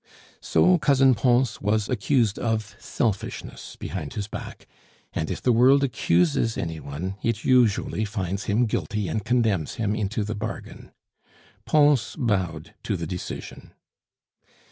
So Cousin Pons was accused of selfishness (behind his back); and if the world accuses any one, it usually finds him guilty and condemns him into the bargain. Pons bowed to the decision.